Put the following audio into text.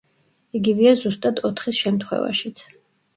იგივეა ზუსტად ოთხის შემთხვევაშიც.